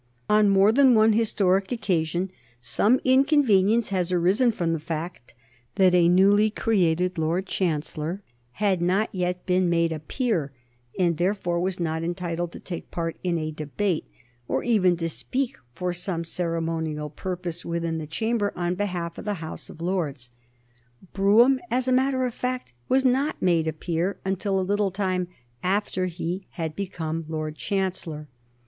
On more than one historic occasion some inconvenience has arisen from the fact that a newly created Lord Chancellor had not yet been made a peer, and therefore was not entitled to take part in a debate, or even to speak for some ceremonial purpose within the Chamber on behalf of the House of Lords. Brougham as a matter of fact was not made a peer until a little time after he had become Lord Chancellor.